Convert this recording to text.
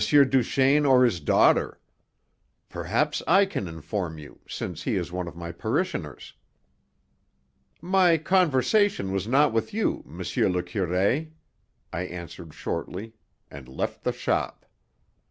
Duchaine or his daughter? Perhaps I can inform you, since he is one of my parishioners." "My conversation was not with you, monsieur le curé," I answered shortly, and left the shop.